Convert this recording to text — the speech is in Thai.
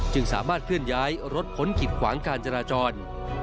สามารถเคลื่อนย้ายรถพ้นกิดขวางการจราจร